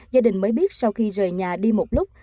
gia đình mới biết sau khi rời nhà đi một lúc